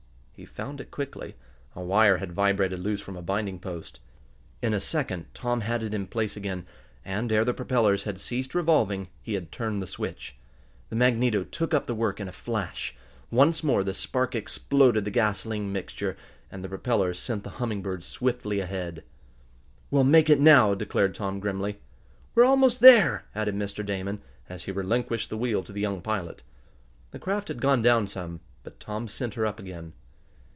He found it quickly. A wire had vibrated loose from a binding post. In a second Tom had it in place again; and, ere the propellers had ceased revolving, he had turned the switch. The magneto took up the work in a flash. Once more the spark exploded the gasoline mixture, and the propellers sent the Humming Bird swiftly ahead. "We'll make it now!" declared Tom grimly. "We're almost there," added Mr. Damon, as he relinquished the wheel to the young pilot. The craft had gone down some, but Tom sent her up again.